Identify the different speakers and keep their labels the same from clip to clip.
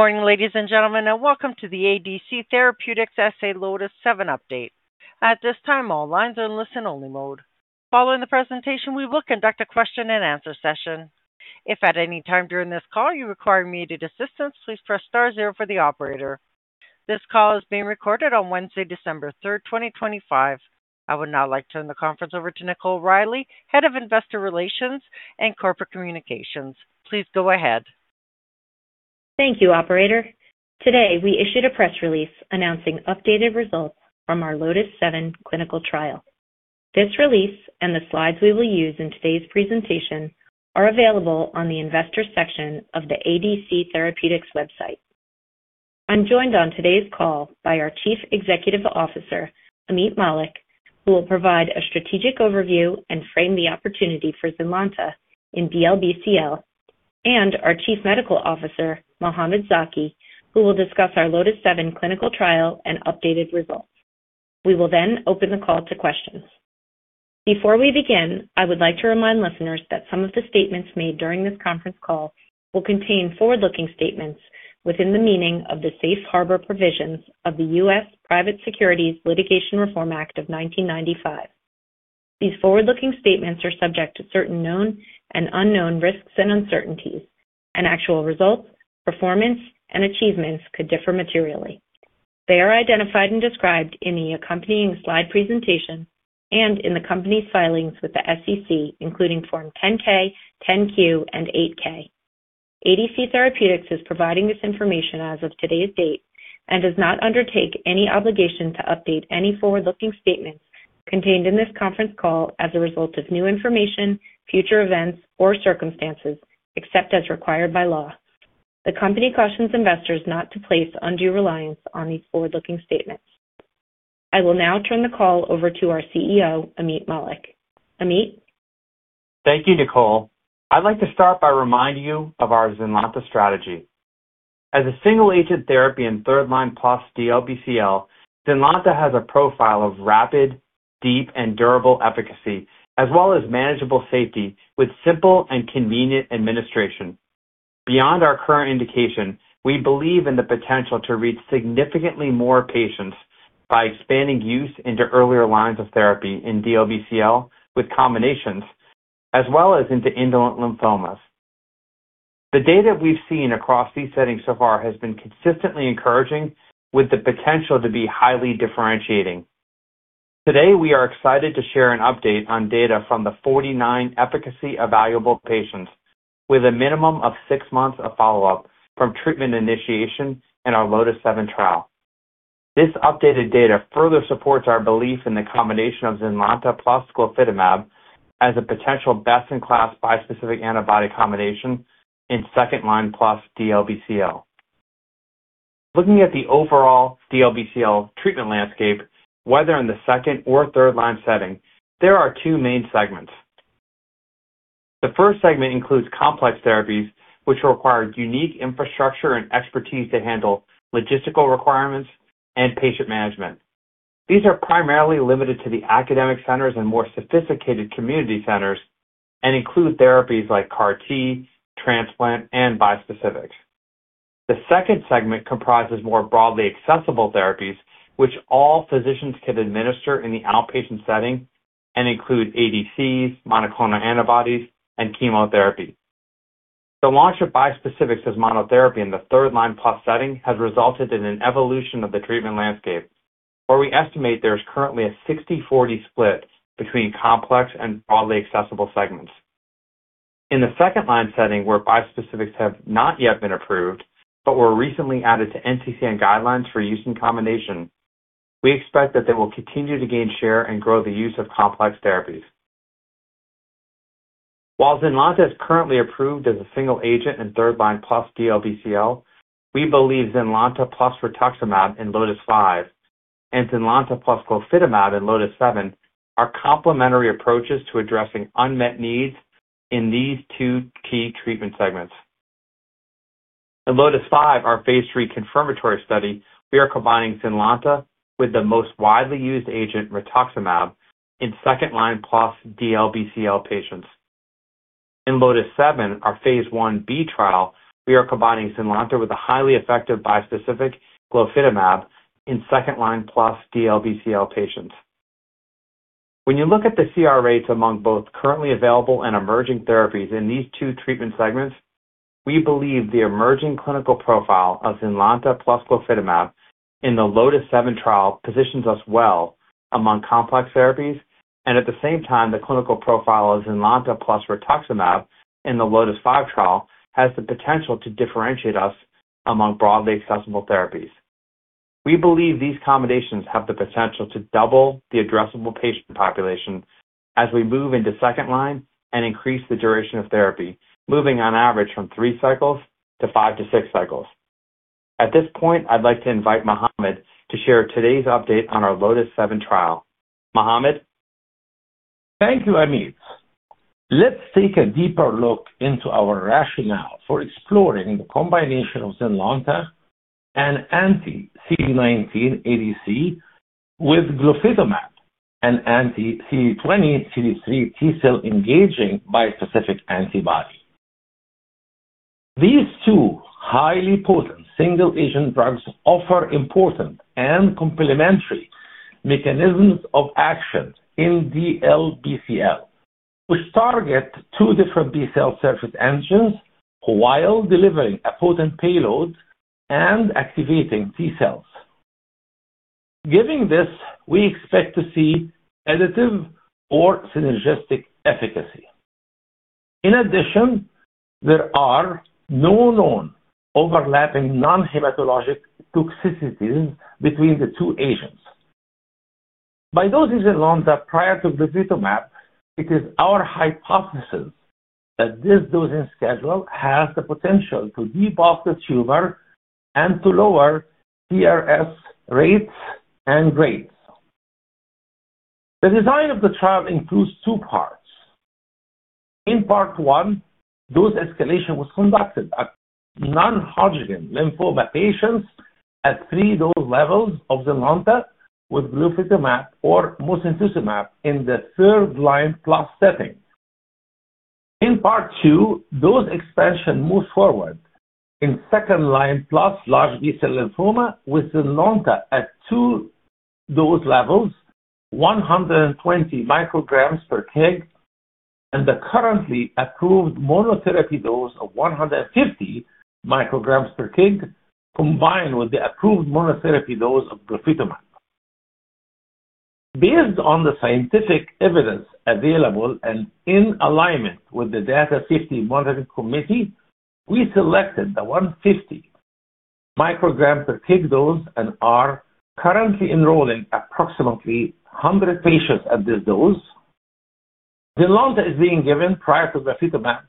Speaker 1: Good morning, ladies and gentlemen, and welcome to the ADC Therapeutics SA LOTIS-7 update. At this time, all lines are in listen-only mode. Following the presentation, we will conduct a question-and-answer session. If at any time during this call you require immediate assistance, please press star zero for the operator. This call is being recorded on Wednesday, December 3, 2025. I would now like to turn the conference over to Nicole Riley, Head of Investor Relations and Corporate Communications. Please go ahead.
Speaker 2: Thank you, Operator. Today, we issued a press release announcing updated results from our LOTIS-7 clinical trial. This release and the slides we will use in today's presentation are available on the investor section of the ADC Therapeutics website. I'm joined on today's call by our Chief Executive Officer, Ameet Mallik, who will provide a strategic overview and frame the opportunity for Zynlonta in DLBCL, and our Chief Medical Officer, Mohamed Zaki, who will discuss our LOTIS-7 clinical trial and updated results. We will then open the call to questions. Before we begin, I would like to remind listeners that some of the statements made during this conference call will contain forward-looking statements within the meaning of the safe harbor provisions of the U.S. Private Securities Litigation Reform Act of 1995. These forward-looking statements are subject to certain known and unknown risks and uncertainties, and actual results, performance, and achievements could differ materially. They are identified and described in the accompanying slide presentation and in the company's filings with the SEC, including Form 10-K, 10-Q, and 8-K. ADC Therapeutics is providing this information as of today's date and does not undertake any obligation to update any forward-looking statements contained in this conference call as a result of new information, future events, or circumstances, except as required by law. The company cautions investors not to place undue reliance on these forward-looking statements. I will now turn the call over to our CEO, Ameet Mallik. Ameet.
Speaker 3: Thank you, Nicole. I'd like to start by reminding you of our Zynlonta strategy. As a single-agent therapy and third-line plus DLBCL, Zynlonta has a profile of rapid, deep, and durable efficacy, as well as manageable safety with simple and convenient administration. Beyond our current indication, we believe in the potential to reach significantly more patients by expanding use into earlier lines of therapy in DLBCL with combinations, as well as into indolent lymphomas. The data we've seen across these settings so far has been consistently encouraging, with the potential to be highly differentiating. Today, we are excited to share an update on data from the 49 efficacy-evaluable patients with a minimum of six months of follow-up from treatment initiation in our LOTIS-7 trial. This updated data further supports our belief in the combination of Zynlonta plus glofitamab as a potential best-in-class bispecific antibody combination in second-line plus DLBCL. Looking at the overall DLBCL treatment landscape, whether in the second or third-line setting, there are two main segments. The first segment includes complex therapies, which require unique infrastructure and expertise to handle logistical requirements and patient management. These are primarily limited to the academic centers and more sophisticated community centers and include therapies like CAR-T, transplant, and bispecifics. The second segment comprises more broadly accessible therapies, which all physicians can administer in the outpatient setting and include ADCs, monoclonal antibodies, and chemotherapy. The launch of bispecifics as monotherapy in the third-line plus setting has resulted in an evolution of the treatment landscape, where we estimate there is currently a 60/40 split between complex and broadly accessible segments. In the second-line setting, where bispecifics have not yet been approved but were recently added to NCCN guidelines for use in combination, we expect that they will continue to gain share and grow the use of complex therapies. While Zynlonta is currently approved as a single-agent and third-line plus DLBCL, we believe Zynlonta plus rituximab in LOTIS-5 and Zynlonta plus glofitamab in LOTIS-7 are complementary approaches to addressing unmet needs in these two key treatment segments. In LOTIS-5, our Phase III confirmatory study, we are combining Zynlonta with the most widely used agent, rituximab, in second-line plus DLBCL patients. In LOTIS-7, our Phase Ib trial, we are combining Zynlonta with a highly effective bispecific, glofitamab, in second-line plus DLBCL patients. When you look at the CR rates among both currently available and emerging therapies in these two treatment segments, we believe the emerging clinical profile of Zynlonta plus glofitamab in the LOTIS-7 trial positions us well among complex therapies, and at the same time, the clinical profile of Zynlonta plus rituximab in the LOTIS-5 trial has the potential to differentiate us among broadly accessible therapies. We believe these combinations have the potential to double the addressable patient population as we move into second-line and increase the duration of therapy, moving on average from three cycles to five to six cycles. At this point, I'd like to invite Mohamed to share today's update on our LOTIS-7 trial. Mohamed?
Speaker 4: Thank you, Ameet. Let's take a deeper look into our rationale for exploring the combination of Zynlonta and anti-CD19 ADC with glofitamab and anti-CD20/CD3 T-cell engaging bispecific antibody. These two highly potent single-agent drugs offer important and complementary mechanisms of action in DLBCL, which target two different B-cell surface antigens while delivering a potent payload and activating T-cells. Given this, we expect to see additive or synergistic efficacy. In addition, there are no known overlapping non-hematologic toxicities between the two agents. By dosing Zynlonta prior to glofitamab, it is our hypothesis that this dosing schedule has the potential to debulk the tumor and to lower CRS rates and grades. The design of the trial includes two parts. In Part 1, dose escalation was conducted in non-Hodgkin lymphoma patients at three dose levels of Zynlonta with glofitamab or mosunetuzumab in the third-line plus setting. In Part 2, dose expansion moved forward in second-line plus large B-cell lymphoma with Zynlonta at two-dose levels, 120 micrograms per kg, and the currently approved monotherapy dose of 150 micrograms per kg combined with the approved monotherapy dose of glofitamab. Based on the scientific evidence available and in alignment with the Data Safety Monitoring Committee, we selected the 150 micrograms per kg dose and are currently enrolling approximately 100 patients at this dose. Zynlonta is being given prior to glofitamab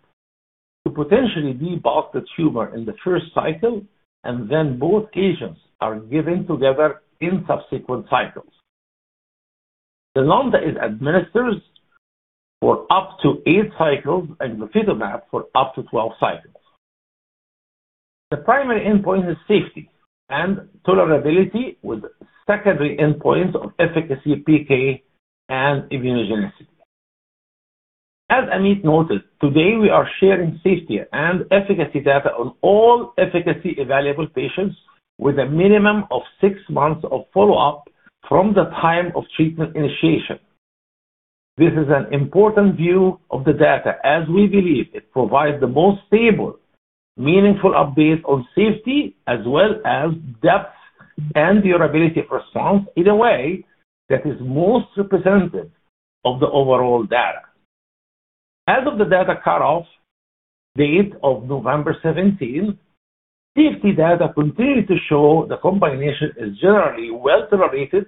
Speaker 4: to potentially debulk the tumor in the first cycle, and then both agents are given together in subsequent cycles. Zynlonta is administered for up to eight cycles and glofitamab for up to 12 cycles. The primary endpoint is safety and tolerability with secondary endpoints of efficacy, PK, and immunogenicity. As Ameet noted, today we are sharing safety and efficacy data on all efficacy-evaluable patients with a minimum of six months of follow-up from the time of treatment initiation. This is an important view of the data as we believe it provides the most stable, meaningful update on safety as well as depth and durability of response in a way that is most representative of the overall data. As of the data cutoff date of November 17, safety data continue to show the combination is generally well-tolerated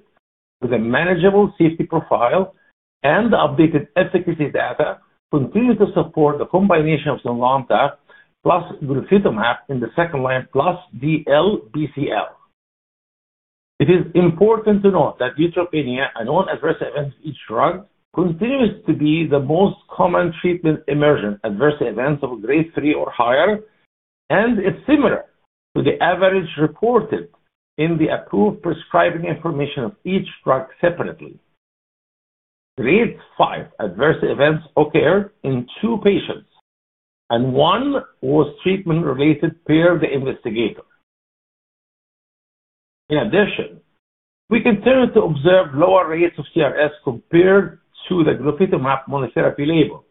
Speaker 4: with a manageable safety profile, and the updated efficacy data continue to support the combination of Zynlonta plus glofitamab in the second-line plus DLBCL. It is important to note that neutropenia, a known adverse event of each drug, continues to be the most common treatment-emergent adverse event of Grade 3 or higher, and it's similar to the average reported in the approved prescribing information of each drug separately. Grade 5 adverse events occurred in two patients, and one was treatment-related per the investigator. In addition, we continue to observe lower rates of CRS compared to the glofitamab monotherapy label.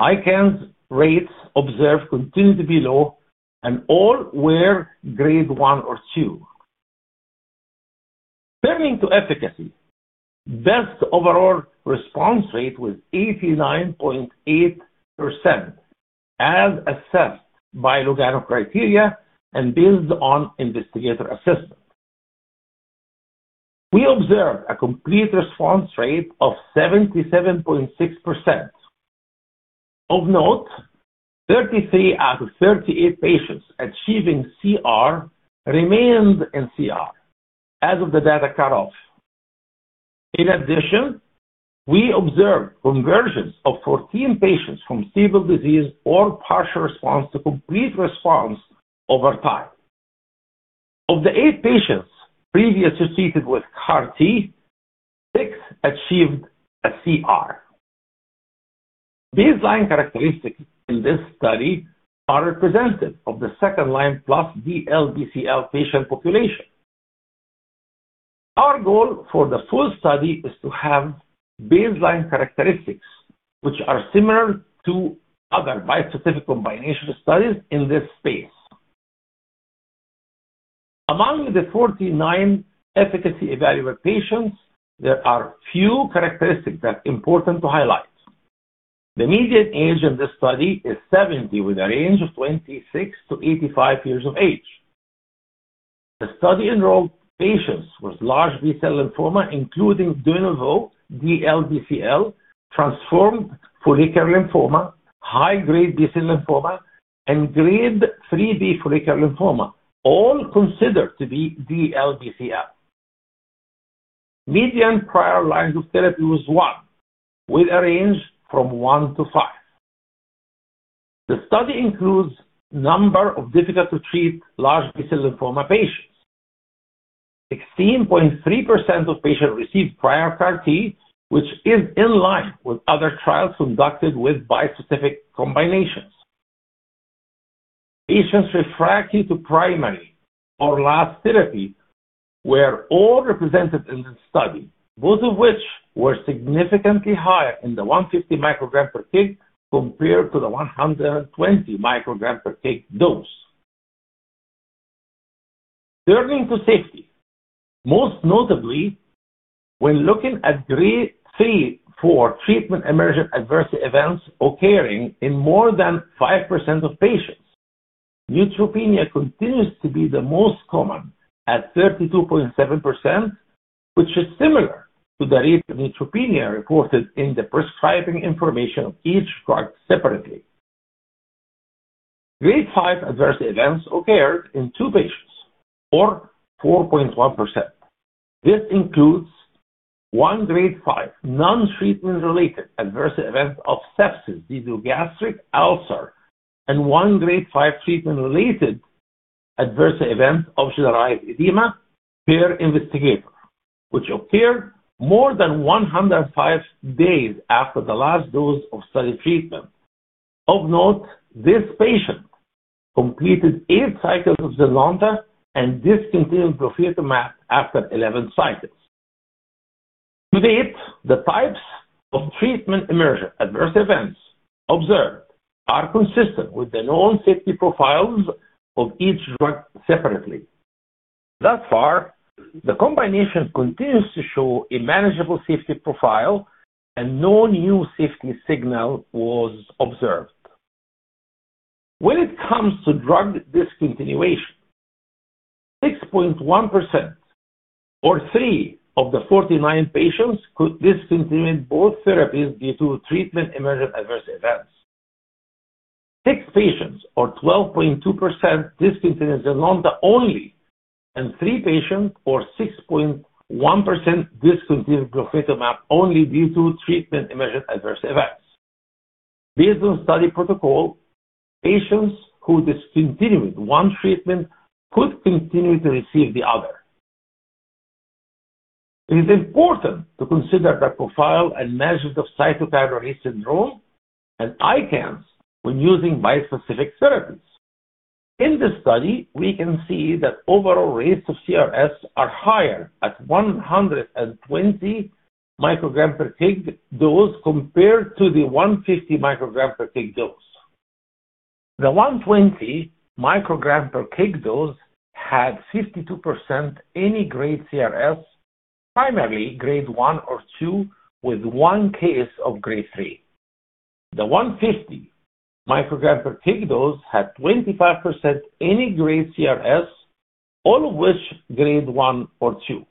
Speaker 4: ICANS rates observed continue to be low, and all were Grade 1 and 2. Turning to efficacy, best overall response rate was 89.8% as assessed by Lugano criteria and based on investigator assessment. We observed a complete response rate of 77.6%. Of note, 33 out of 38 patients achieving CR remained in CR as of the data cutoff. In addition, we observed conversions of 14 patients from stable disease or partial response to complete response over time. Of the eight patients previously treated with CAR-T, six achieved a CR. Baseline characteristics in this study are representative of the second-line plus DLBCL patient population. Our goal for the full study is to have baseline characteristics which are similar to other bispecific combination studies in this space. Among the 49 efficacy-evaluable patients, there are few characteristics that are important to highlight. The median age in this study is 70, with a range of 26-85 years of age. The study enrolled patients with large B-cell lymphoma, including de novo DLBCL, transformed follicular lymphoma, high-grade B-cell lymphoma, and Grade 3B follicular lymphoma, all considered to be DLBCL. Median prior lines of therapy was one, with a range from one to five. The study includes a number of difficult-to-treat large B-cell lymphoma patients. 16.3% of patients received prior CAR-T, which is in line with other trials conducted with bispecific combinations. Patients refractory to primary or last therapy were all represented in this study, both of which were significantly higher in the 150 microgram per kg compared to the 120 microgram per kg dose. Turning to safety, most notably, when looking at grade 3 or 4 treatment-emergent adverse events occurring in more than 5% of patients, neutropenia continues to be the most common at 32.7%, which is similar to the rate of neutropenia reported in the prescribing information of each drug separately. Grade 5 adverse events occurred in two patients, or 4.1%. This includes one grade 5 non-treatment-related adverse event of sepsis due to gastric ulcer and one grade 5 treatment-related adverse event of generalized edema per investigator, which occurred more than 105 days after the last dose of study treatment. Of note, this patient completed eight cycles of Zynlonta and discontinued glofitamab after 11 cycles. To date, the types of treatment-emergent adverse events observed are consistent with the known safety profiles of each drug separately. Thus far, the combination continues to show a manageable safety profile, and no new safety signal was observed. When it comes to drug discontinuation, 6.1% or three of the 49 patients could discontinue both therapies due to treatment-emergent adverse events. Six patients or 12.2% discontinued Zynlonta only, and three patients or 6.1% discontinued glofitamab only due to treatment-emergent adverse events. Based on study protocol, patients who discontinued one treatment could continue to receive the other. It is important to consider the profile and measures of cytokine release syndrome and ICANS when using bispecific therapies. In this study, we can see that overall rates of CRS are higher at 120 microgram per kg dose compared to the 150 microgram per kg dose. The 120 microgram per kg dose had 52% any grade CRS, primarily Grade 1 and 2, with one case of Grade 3. The 150 microgram per kg dose had 25% any grade CRS, all of which Grade 1 and 2.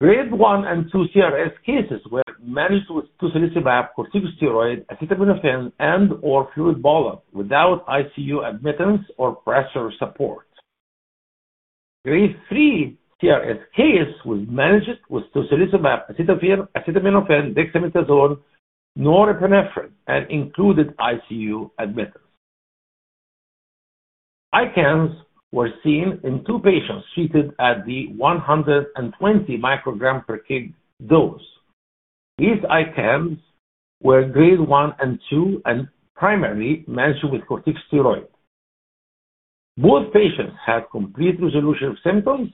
Speaker 4: Grade 1 and 2 CRS cases were managed with tocilizumab, corticosteroid, acetaminophen, and/or fluid bolus without ICU admittance or pressor support. Grade 3 CRS case was managed with tocilizumab, acetaminophen, dexamethasone, norepinephrine, and included ICU admittance. ICANS were seen in two patients treated at the 120 microgram per kg dose. These ICANS were Grade 1 and 2 and primarily managed with corticosteroid. Both patients had complete resolution of symptoms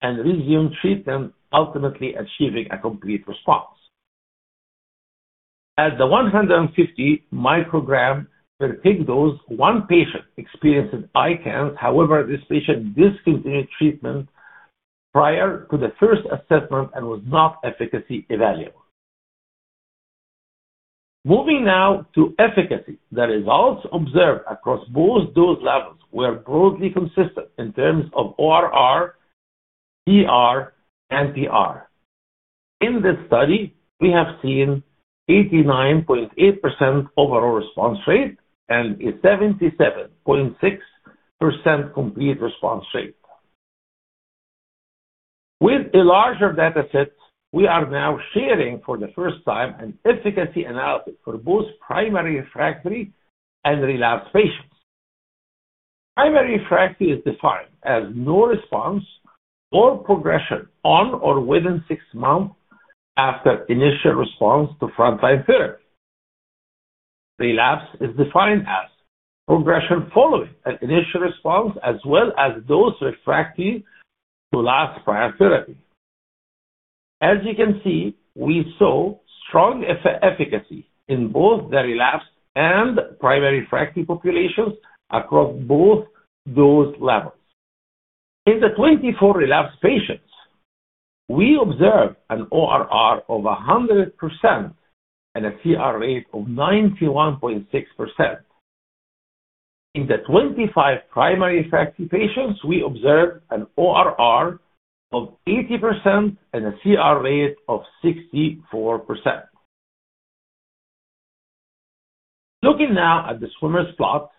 Speaker 4: and resumed treatment, ultimately achieving a complete response. At the 150 microgram per kg dose, one patient experienced ICANS, however, this patient discontinued treatment prior to the first assessment and was not efficacy evaluable. Moving now to efficacy, the results observed across both dose levels were broadly consistent in terms of ORR, CR, and PR. In this study, we have seen 89.8% overall response rate and a 77.6% complete response rate. With a larger data set, we are now sharing for the first time an efficacy analysis for both primary refractory and relapsed patients. Primary refractory is defined as no response or progression on or within six months after initial response to front-line therapy. Relapse is defined as progression following an initial response as well as disease refractory to last prior therapy. As you can see, we saw strong efficacy in both the relapsed and primary refractory populations across both dose levels. In the 24 relapsed patients, we observed an ORR of 100% and a CR rate of 91.6%. In the 25 primary refractory patients, we observed an ORR of 80% and a CR rate of 64%. Looking now at the swimmers plot,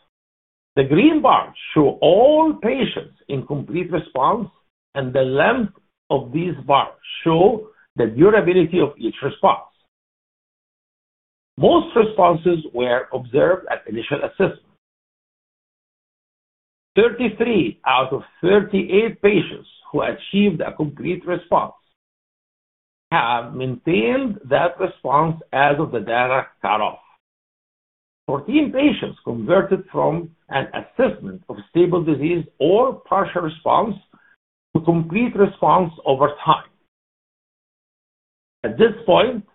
Speaker 4: the green bars show all patients in complete response, and the length of these bars shows the durability of each response. Most responses were observed at initial assessment. 33 out of 38 patients who achieved a complete response have maintained that response as of the data cutoff. 14 patients converted from an assessment of stable disease or partial response to complete response over time. At this point,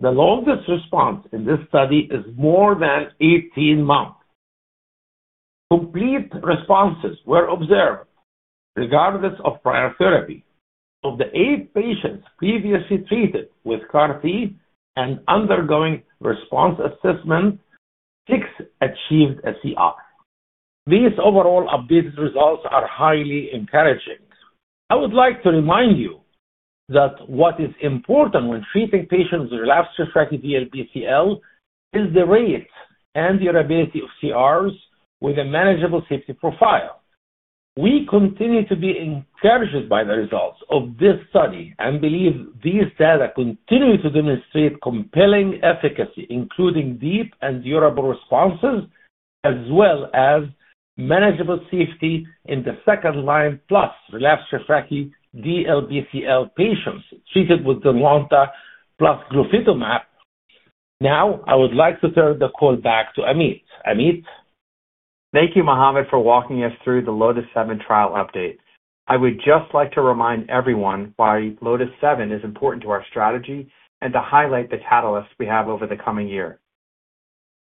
Speaker 4: the longest response in this study is more than 18 months. Complete responses were observed regardless of prior therapy. Of the eight patients previously treated with CAR-T and undergoing response assessment, six achieved a CR. These overall updated results are highly encouraging. I would like to remind you that what is important when treating patients with relapsed refractory DLBCL is the rate and durability of CRs with a manageable safety profile. We continue to be encouraged by the results of this study and believe these data continue to demonstrate compelling efficacy, including deep and durable responses, as well as manageable safety in the second-line plus relapsed refractory DLBCL patients treated with Zynlonta plus glofitamab. Now, I would like to turn the call back to Ameet. Ameet.
Speaker 3: Thank you, Mohamed, for walking us through the LOTIS-7 trial update. I would just like to remind everyone why LOTIS-7 is important to our strategy and to highlight the catalysts we have over the coming year.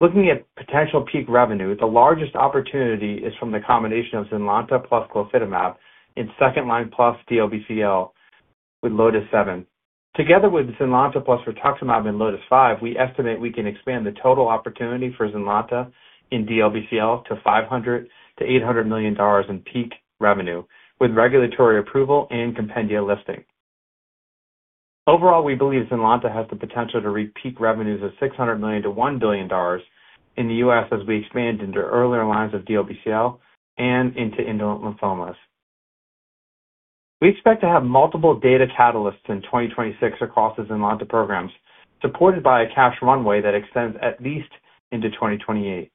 Speaker 3: Looking at potential peak revenue, the largest opportunity is from the combination of Zynlonta plus glofitamab in second-line plus DLBCL with LOTIS-7. Together with Zynlonta plus rituximab and LOTIS-5, we estimate we can expand the total opportunity for Zynlonta in DLBCL to $500 million-$800 million in peak revenue, with regulatory approval and compendia listing. Overall, we believe Zynlonta has the potential to reach peak revenues of $600 million-$1 billion in the U.S. as we expand into earlier lines of DLBCL and into indolent lymphomas. We expect to have multiple data catalysts in 2026 across the Zynlonta programs, supported by a cash runway that extends at least into 2028.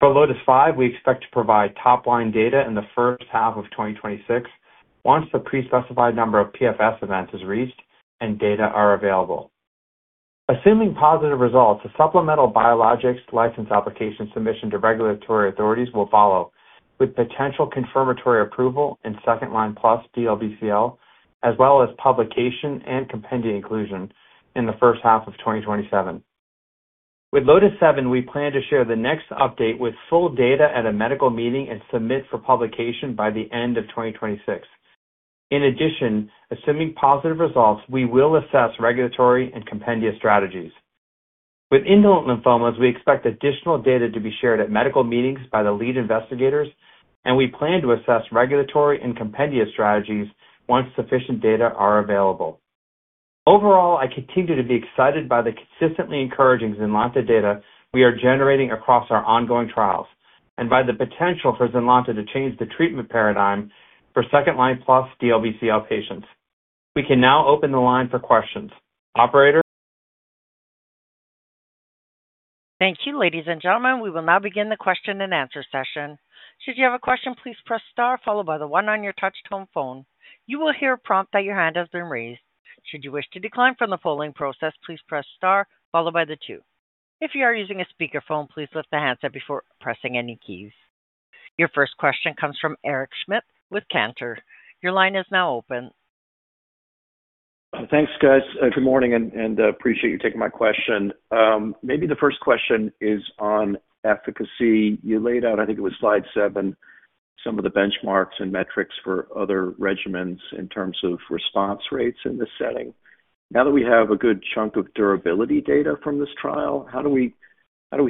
Speaker 3: For LOTIS-5, we expect to provide top-line data in the first half of 2026, once the pre-specified number of PFS events is reached and data are available. Assuming positive results, a Supplemental Biologics License Application submission to regulatory authorities will follow, with potential confirmatory approval in second-line plus DLBCL, as well as publication and compendia inclusion in the first half of 2027. With LOTIS-7, we plan to share the next update with full data at a medical meeting and submit for publication by the end of 2026. In addition, assuming positive results, we will assess regulatory and compendia strategies. With indolent lymphomas, we expect additional data to be shared at medical meetings by the lead investigators, and we plan to assess regulatory and compendia strategies once sufficient data are available. Overall, I continue to be excited by the consistently encouraging Zynlonta data we are generating across our ongoing trials and by the potential for Zynlonta to change the treatment paradigm for second-line plus DLBCL patients. We can now open the line for questions. Operator.
Speaker 1: Thank you, ladies and gentlemen. We will now begin the question and answer session. Should you have a question, please press star, followed by the one on your touch-tone phone. You will hear a prompt that your hand has been raised. Should you wish to decline from the polling process, please press star, followed by the two. If you are using a speakerphone, please lift the handset before pressing any keys. Your first question comes from Eric Schmidt with Cantor. Your line is now open.
Speaker 5: Thanks, guys. Good morning, and I appreciate you taking my question. Maybe the first question is on efficacy. You laid out, I think it was Slide 7, some of the benchmarks and metrics for other regimens in terms of response rates in this setting. Now that we have a good chunk of durability data from this trial, how do we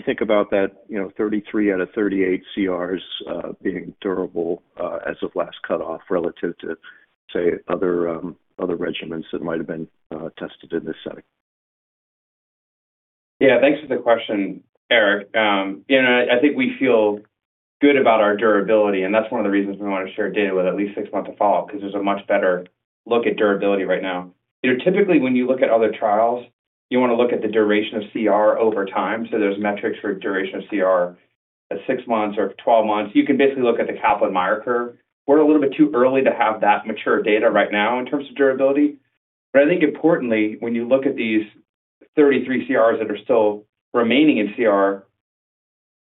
Speaker 5: think about that 33 out of 38 CRs being durable as of last cutoff relative to, say, other regimens that might have been tested in this setting?
Speaker 3: Yeah, thanks for the question, Eric. You know, I think we feel good about our durability, and that's one of the reasons we want to share data with at least six months of follow-up because there's a much better look at durability right now. Typically, when you look at other trials, you want to look at the duration of CR over time. So there's metrics for duration of CR at six months or 12 months. You can basically look at the Kaplan-Meier curve. We're a little bit too early to have that mature data right now in terms of durability. But I think importantly, when you look at these 33 CRs that are still remaining in CR,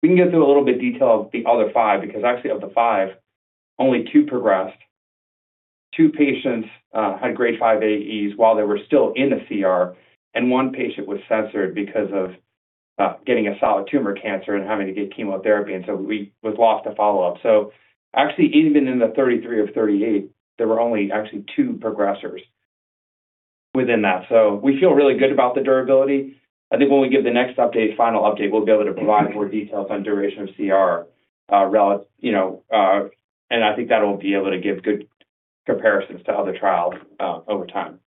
Speaker 3: we can get through a little bit detail of the other five because actually of the five, only two progressed. Two patients had Grade 5 AEs while they were still in a CR, and one patient was censored because of getting a solid tumor cancer and having to get chemotherapy, and so we were lost to follow-up. So actually, even in the 33 of 38, there were only actually two progressors within that. So we feel really good about the durability. I think when we give the next update, final update, we'll be able to provide more details on duration of CR, and I think that'll be able to give good comparisons to other trials over time.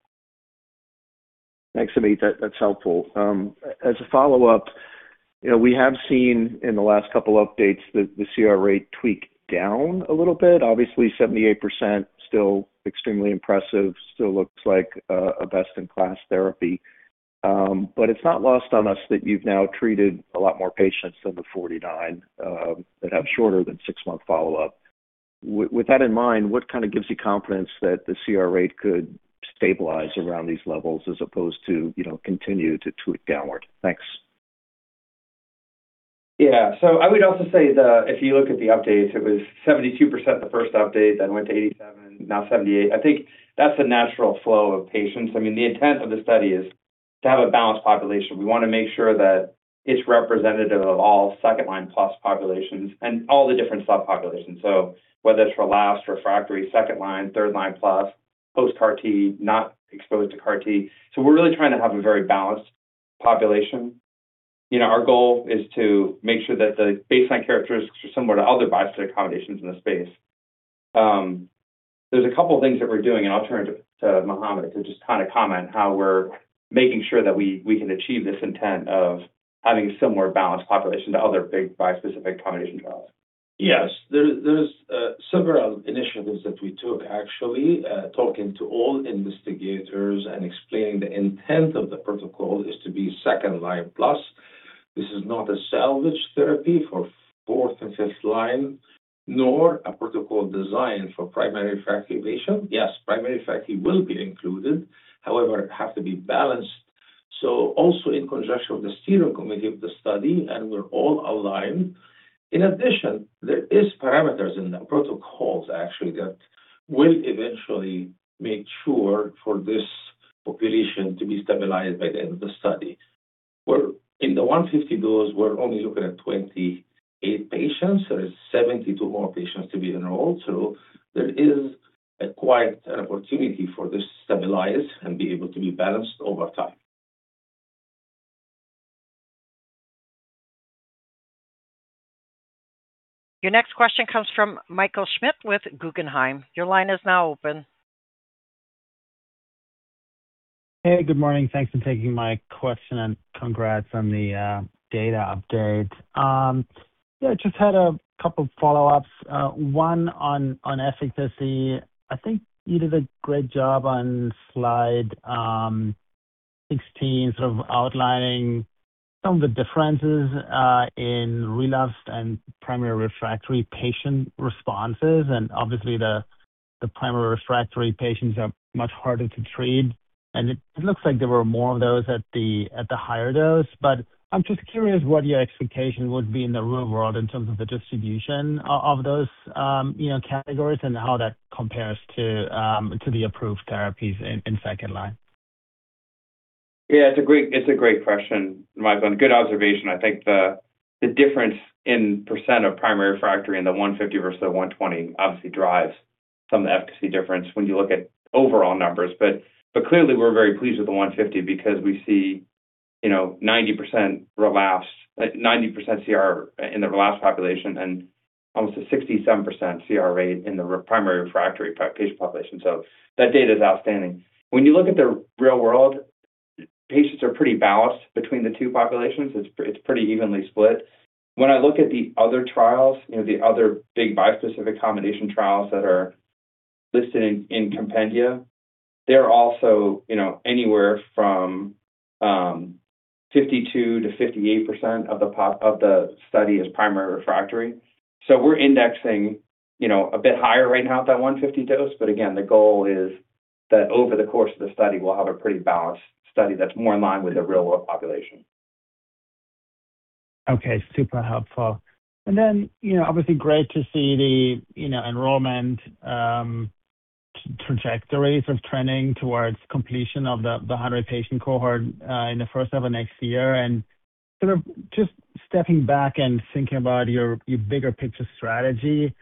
Speaker 5: Thanks, Ameet. That's helpful. As a follow-up, we have seen in the last couple of updates that the CR rate tweaked down a little bit. Obviously, 78% still extremely impressive, still looks like a best-in-class therapy. But it's not lost on us that you've now treated a lot more patients than the 49 that have shorter than six-month follow-up. With that in mind, what kind of gives you confidence that the CR rate could stabilize around these levels as opposed to continue to tweak downward?
Speaker 3: Thanks. Yeah. So I would also say that if you look at the updates, it was 72% the first update, then went to 87%, now 78%. I think that's a natural flow of patients. I mean, the intent of the study is to have a balanced population. We want to make sure that it's representative of all second-line plus populations and all the different subpopulations. So whether it's relapsed, refractory, second-line, third-line plus, post-CAR-T, not exposed to CAR-T. So we're really trying to have a very balanced population. Our goal is to make sure that the baseline characteristics are similar to other bispecific antibodies in the space. There's a couple of things that we're doing, and I'll turn it to Mohamed to just kind of comment on how we're making sure that we can achieve this intent of having a similar balanced population to other big bispecific antibody trials.
Speaker 4: Yes. There are several initiatives that we took, actually, talking to all investigators and explaining the intent of the protocol is to be second-line plus. This is not a salvage therapy for fourth and fifth line, nor a protocol design for primary refractory patients. Yes, primary refractory will be included. However, it has to be balanced. So also in conjunction with the steering committee of the study, and we're all aligned. In addition, there are parameters in the protocols, actually, that will eventually make sure for this population to be stabilized by the end of the study. In the 150 dose, we're only looking at 28 patients. There are 72 more patients to be enrolled. So there is quite an opportunity for this to stabilize and be able to be balanced over time.
Speaker 1: Your next question comes from Michael Schmidt with Guggenheim. Your line is now open.
Speaker 6: Hey, good morning. Thanks for taking my question and congrats on the data update. Yeah, I just had a couple of follow-ups. One on efficacy. I think you did a great job on Slide 16, sort of outlining some of the differences in relapsed and primary refractory patient responses. And obviously, the primary refractory patients are much harder to treat. And it looks like there were more of those at the higher dose. But I'm just curious what your expectation would be in the real world in terms of the distribution of those categories and how that compares to the approved therapies in second line.
Speaker 4: Yeah, it's a great question, Michael. Good observation. I think the difference in % of primary refractory in the 150 versus the 120 obviously drives some of the efficacy difference when you look at overall numbers. But clearly, we're very pleased with the 150 because we see 90% relapse, 90% CR in the relapsed population, and almost a 67% CR rate in the primary refractory patient population. That data is outstanding. When you look at the real world, patients are pretty balanced between the two populations. It's pretty evenly split. When I look at the other trials, the other big bispecific antibody trials that are listed in compendia, they're also anywhere from 52%-58% of the study is primary refractory. So we're indexing a bit higher right now at that 150 dose. But again, the goal is that over the course of the study, we'll have a pretty balanced study that's more in line with the real-world population.
Speaker 6: Okay. Super helpful. And then, obviously, great to see the enrollment trajectories of trending towards completion of the 100-patient cohort in the first half of next year. And sort of just stepping back and thinking about your bigger picture strategy.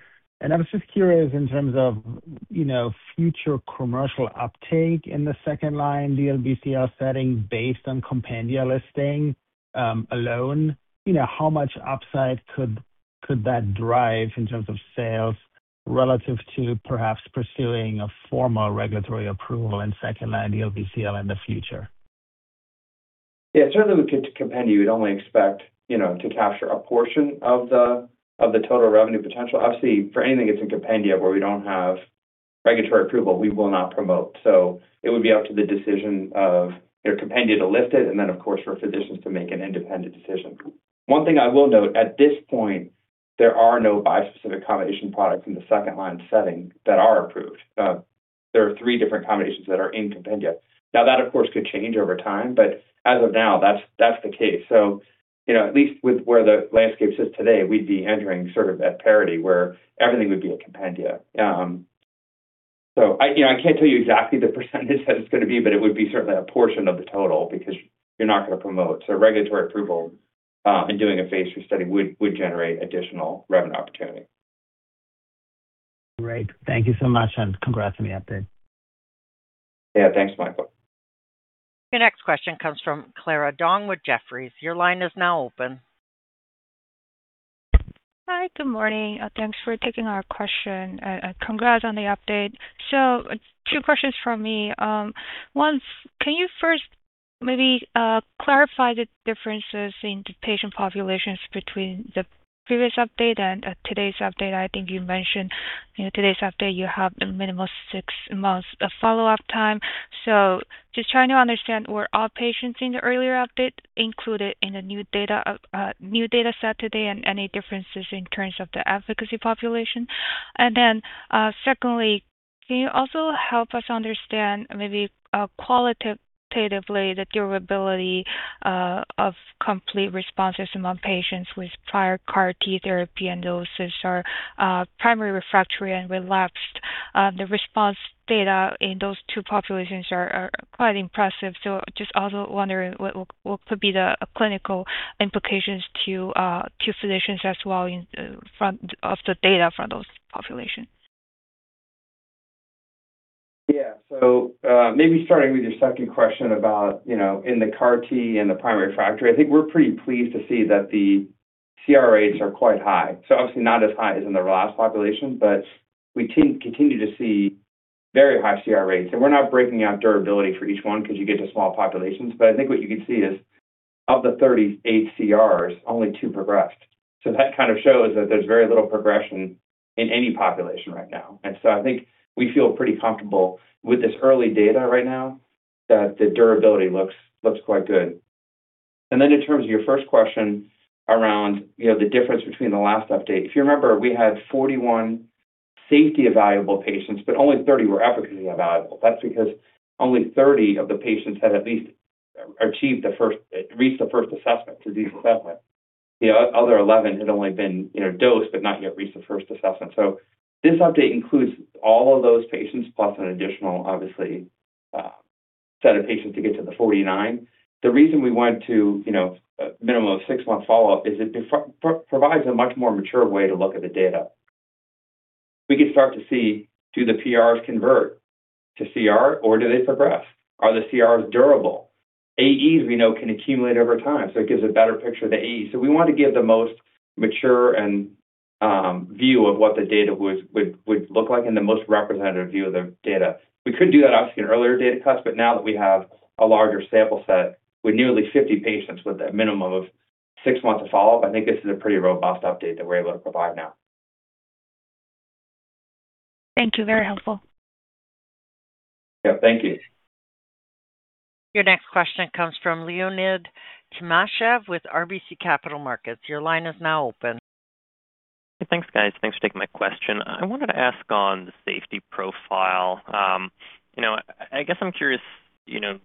Speaker 6: I was just curious in terms of future commercial uptake in the second-line DLBCL setting based on compendia listing alone, how much upside could that drive in terms of sales relative to perhaps pursuing a formal regulatory approval in second-line DLBCL in the future?
Speaker 3: Yeah. Certainly, with compendia, you would only expect to capture a portion of the total revenue potential. Obviously, for anything that's in compendia where we don't have regulatory approval, we will not promote. So it would be up to the decision of compendia to list it, and then, of course, for physicians to make an independent decision. One thing I will note, at this point, there are no bispecific antibody products in the second-line setting that are approved. There are three different antibodies that are in compendia. Now, that, of course, could change over time, but as of now, that's the case. So at least with where the landscape sits today, we'd be entering sort of at parity where everything would be a compendia. So I can't tell you exactly the percentage that it's going to be, but it would be certainly a portion of the total because you're not going to promote. So regulatory approval and doing a Phase III study would generate additional revenue opportunity.
Speaker 6: Great. Thank you so much, and congrats on the update.
Speaker 3: Yeah. Thanks, Michael.
Speaker 1: Your next question comes from Clara Dong with Jefferies. Your line is now open.
Speaker 7: Hi. Good morning. Thanks for taking our question. Congrats on the update. So two questions from me. One, can you first maybe clarify the differences in the patient populations between the previous update and today's update? I think you mentioned today's update, you have a minimum of six months of follow-up time. So just trying to understand, were all patients in the earlier update included in the new data set today and any differences in terms of the efficacy population? And then secondly, can you also help us understand maybe qualitatively the durability of complete responses among patients with prior CAR-T therapy and those with primary refractory and relapsed? The response data in those two populations are quite impressive. So just also wondering what could be the clinical implications to physicians as well from the data from those populations.
Speaker 3: Yeah. So maybe starting with your second question about the CAR-T and the primary refractory, I think we're pretty pleased to see that the CR rates are quite high. So obviously, not as high as in the relapsed population, but we continue to see very high CR rates. And we're not breaking out durability for each one because you get to small populations. But I think what you can see is of the 38 CRs, only two progressed. So that kind of shows that there's very little progression in any population right now. And so I think we feel pretty comfortable with this early data right now that the durability looks quite good. And then in terms of your first question around the difference between the last update, if you remember, we had 41 safety-available patients, but only 30 were efficacy-evaluable. That's because only 30 of the patients had at least achieved the first assessment, disease assessment. The other 11 had only been dosed, but not yet reached the first assessment. So this update includes all of those patients plus an additional, obviously, set of patients to get to the 49. The reason we went to a minimum of six-month follow-up is it provides a much more mature way to look at the data. We can start to see, do the PRs convert to CR, or do they progress? Are the CRs durable? AEs, we know, can accumulate over time. So it gives a better picture of the AEs. So we want to give the most mature view of what the data would look like and the most representative view of the data. We could do that, obviously, in earlier data cuts, but now that we have a larger sample set with nearly 50 patients with a minimum of six months of follow-up, I think this is a pretty robust update that we're able to provide now.
Speaker 7: Thank you. Very helpful.
Speaker 3: Yep. Thank you.
Speaker 1: Your next question comes from Leonid Timashev with RBC Capital Markets. Your line is now open.
Speaker 8: Hey, thanks, guys. Thanks for taking my question. I wanted to ask on the safety profile. I guess I'm curious. It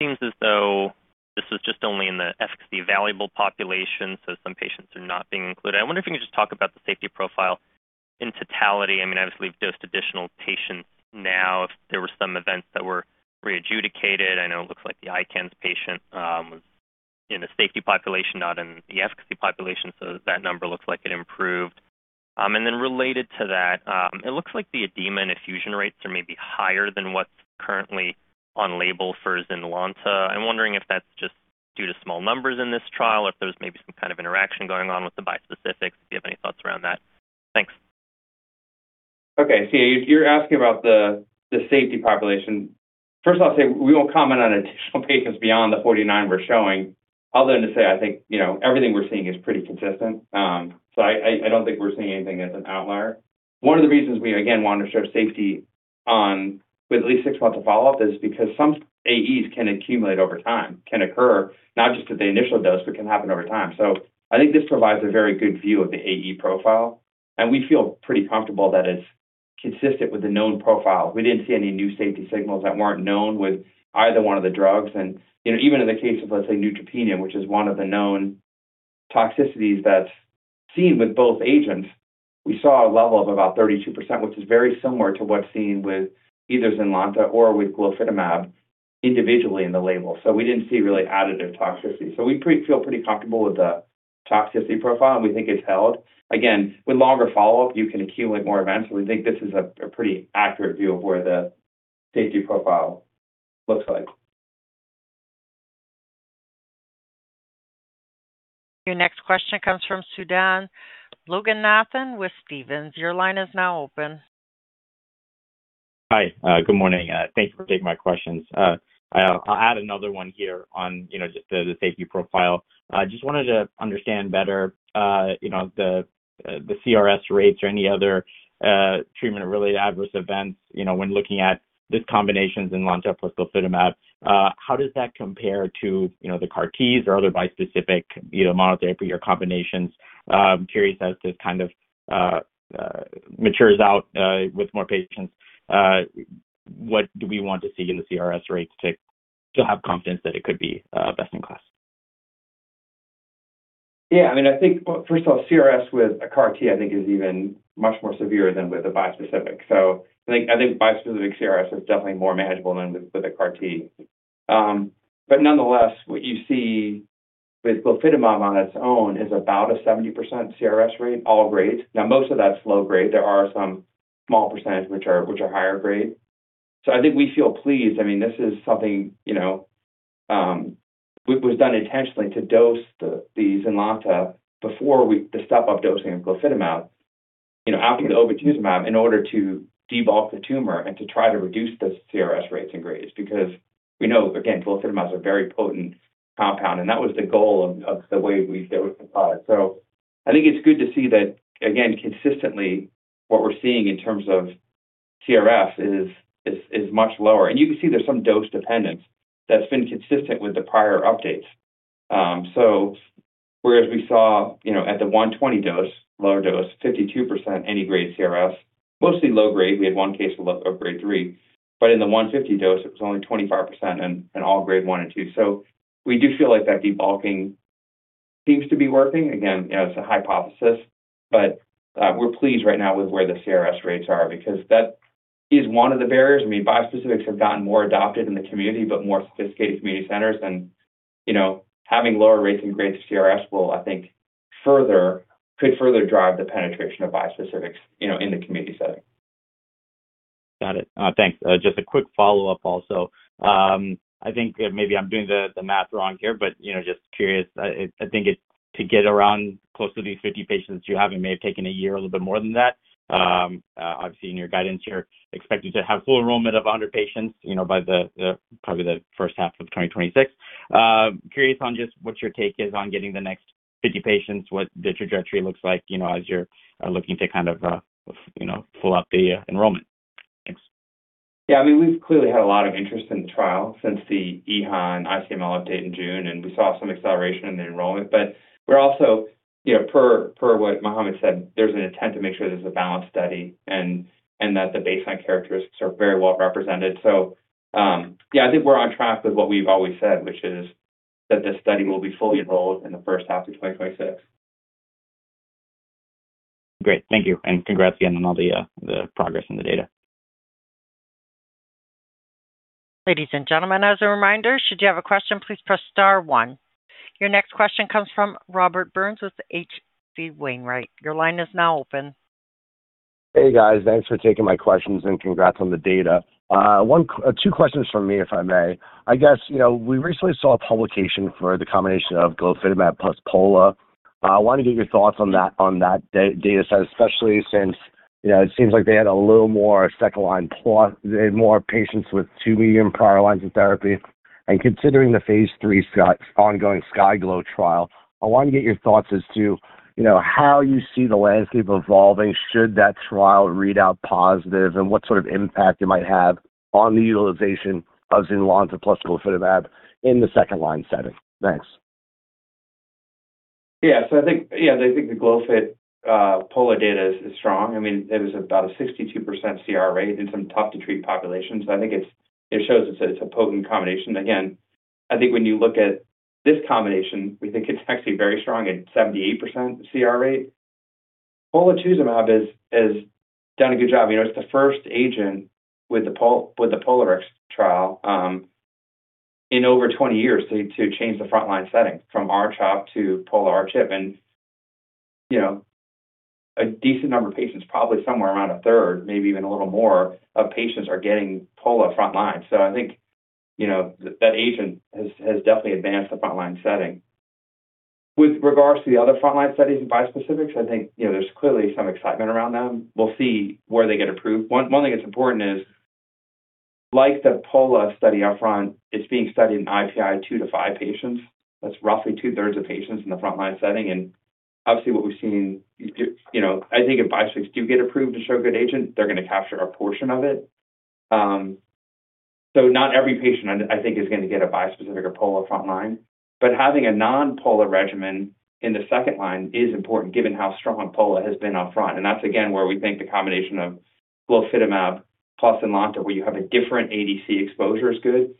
Speaker 8: seems as though this was just only in the efficacy-evaluable population, so some patients are not being included. I wonder if you can just talk about the safety profile in totality. I mean, obviously, we've dosed additional patients now. If there were some events that were readjudicated, I know it looks like the ICANS patient was in the safety population, not in the efficacy population. So that number looks like it improved. And then related to that, it looks like the edema and effusion rates are maybe higher than what's currently on label for Zynlonta. I'm wondering if that's just due to small numbers in this trial or if there's maybe some kind of interaction going on with the bispecifics. If you have any thoughts around that. Thanks. Okay.
Speaker 3: You're asking about the safety population. First of all, I'll say we won't comment on additional patients beyond the 49 we're showing, other than to say I think everything we're seeing is pretty consistent. I don't think we're seeing anything as an outlier. One of the reasons we, again, want to show safety with at least six months of follow-up is because some AEs can accumulate over time, can occur not just at the initial dose, but can happen over time. I think this provides a very good view of the AE profile. We feel pretty comfortable that it's consistent with the known profile. We didn't see any new safety signals that weren't known with either one of the drugs. And even in the case of, let's say, neutropenia, which is one of the known toxicities that's seen with both agents, we saw a level of about 32%, which is very similar to what's seen with either Zynlonta or with glofitamab individually in the label. So we didn't see really additive toxicity. So we feel pretty comfortable with the toxicity profile, and we think it's held. Again, with longer follow-up, you can accumulate more events. So we think this is a pretty accurate view of where the safety profile looks like.
Speaker 1: Your next question comes from Sudan Loganathan with Stephens. Your line is now open.
Speaker 9: Hi. Good morning. Thank you for taking my questions. I'll add another one here on just the safety profile. Just wanted to understand better the CRS rates or any other treatment-related adverse events when looking at this combination, Zynlonta plus glofitamab. How does that compare to the CAR-Ts or other bispecific monotherapy or combinations? I'm curious as this kind of matures out with more patients, what do we want to see in the CRS rates to have confidence that it could be best in class?
Speaker 3: Yeah. I mean, I think, first of all, CRS with a CAR-T, I think, is even much more severe than with a bispecific. So I think bispecific CRS is definitely more manageable than with a CAR-T. But nonetheless, what you see with glofitamab on its own is about a 70% CRS rate, all grades. Now, most of that's low grade. There are some small percentage which are higher grade. So I think we feel pleased. I mean, this is something that was done intentionally to dose the Zynlonta before the step-up dosing of glofitamab after the obinutuzumab in order to debulk the tumor and to try to reduce the CRS rates and grades because we know, again, glofitamab is a very potent compound, and that was the goal of the way we approached the product. So I think it's good to see that, again, consistently, what we're seeing in terms of CRS is much lower. And you can see there's some dose dependence that's been consistent with the prior updates. So whereas we saw at the 120 dose, lower dose, 52% any grade CRS, mostly low grade. We had one case of grade 3. But in the 150 dose, it was only 25% in all grade 1 and 2. So we do feel like that debulking seems to be working. Again, it's a hypothesis. But we're pleased right now with where the CRS rates are because that is one of the barriers. I mean, bispecifics have gotten more adopted in the community, but more sophisticated community centers. And having lower rates and grades of CRS will, I think, could further drive the penetration of bispecifics in the community setting.
Speaker 9: Got it. Thanks. Just a quick follow-up also. I think maybe I'm doing the math wrong here, but just curious. I think to get around close to these 50 patients that you have may have taken a year, a little bit more than that. Obviously, in your guidance, you're expected to have full enrollment of 100 patients by probably the first half of 2026. Curious on just what your take is on getting the next 50 patients, what the trajectory looks like as you're looking to kind of ramp up the enrollment. Thanks. Yeah.
Speaker 3: I mean, we've clearly had a lot of interest in the trial since the EHA and ICML update in June, and we saw some acceleration in the enrollment. But we're also, per what Mohamed said, there's an attempt to make sure there's a balanced study and that the baseline characteristics are very well represented. So yeah, I think we're on track with what we've always said, which is that this study will be fully enrolled in the first half of 2026.
Speaker 9: Great. Thank you, and congrats again on all the progress in the data.
Speaker 1: Ladies and gentlemen, as a reminder, should you have a question, please press star one. Your next question comes from Robert Burns with H.C. Wainwright. Your line is now open.
Speaker 10: Hey, guys. Thanks for taking my questions and congrats on the data. Two questions from me, if I may. I guess we recently saw a publication for the combination of glofitamab plus Pola. I wanted to get your thoughts on that data set, especially since it seems like they had a little more second-line plus more patients with two median prior lines of therapy. And considering the Phase III ongoing STARGLO trial, I wanted to get your thoughts as to how you see the landscape evolving should that trial read out positive and what sort of impact it might have on the utilization of Zynlonta plus glofitamab in the second-line setting. Thanks.
Speaker 3: Yeah. So yeah, I think the glofitamab Pola data is strong. I mean, it was about a 62% CR rate in some tough-to-treat populations. I think it shows it's a potent combination. Again, I think when you look at this combination, we think it's actually very strong at 78% CR rate. Polatuzumab has done a good job. It's the first agent with the POLARIX trial in over 20 years to change the front-line setting from R-CHOP to Pola-R-CHP. And a decent number of patients, probably somewhere around a third, maybe even a little more of patients are getting Pola front-line. So I think that agent has definitely advanced the front-line setting. With regards to the other front-line studies and bispecifics, I think there's clearly some excitement around them. We'll see where they get approved. One thing that's important is, like the Pola study upfront, it's being studied in IPI two to five patients. That's roughly two-thirds of patients in the front-line setting. And obviously, what we've seen, I think if bispecifics do get approved to show good agent, they're going to capture a portion of it. So not every patient, I think, is going to get a bispecific or Pola front-line. But having a non-Pola regimen in the second line is important given how strong Pola has been upfront. And that's, again, where we think the combination of glofitamab plus Zynlonta, where you have a different ADC exposure, is good.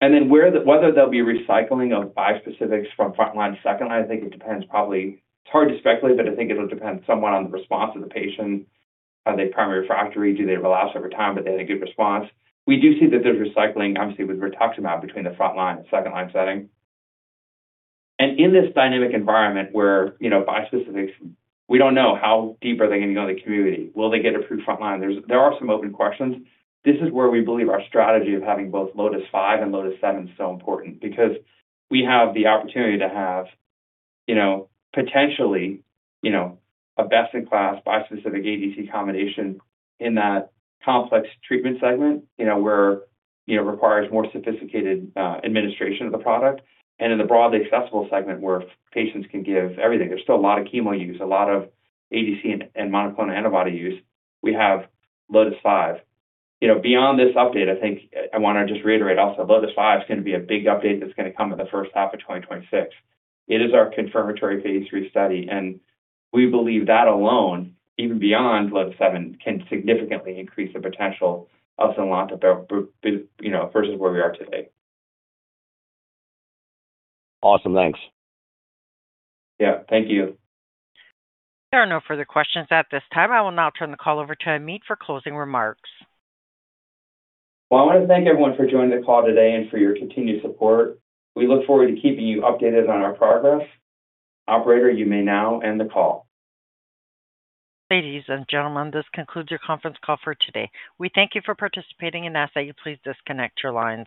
Speaker 3: And then whether there'll be recycling of bispecifics from front-line to second-line, I think it depends probably. It's hard to speculate, but I think it'll depend somewhat on the response of the patient. Are they primary refractory? Do they relapse over time? But they had a good response. We do see that there's recycling, obviously, with rituximab between the front-line and second-line setting. And in this dynamic environment where bispecifics, we don't know how deep are they going to go in the community. Will they get approved front-line? There are some open questions. This is where we believe our strategy of having both LOTIS-5 and LOTIS-7 is so important because we have the opportunity to have potentially a best-in-class bispecific ADC combination in that complex treatment segment where it requires more sophisticated administration of the product, and in the broadly accessible segment where patients can give everything, there's still a lot of chemo use, a lot of ADC and monoclonal antibody use. We have LOTIS-5. Beyond this update, I think I want to just reiterate also, LOTIS-5 is going to be a big update that's going to come in the first half of 2026. It is our confirmatory Phase III study, and we believe that alone, even beyond LOTIS-7, can significantly increase the potential of Zynlonta versus where we are today.
Speaker 10: Awesome. Thanks.
Speaker 3: Yeah. Thank you.
Speaker 1: There are no further questions at this time. I will now turn the call over to Ameet for closing remarks.
Speaker 3: I want to thank everyone for joining the call today and for your continued support. We look forward to keeping you updated on our progress. Operator, you may now end the call.
Speaker 1: Ladies and gentlemen, this concludes your conference call for today. We thank you for participating and ask that you please disconnect your lines.